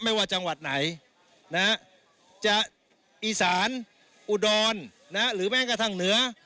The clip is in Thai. ไม่ว่าจังหวัดไหนจะอีสานอุดรหรือแม้กระทั่งเหนือ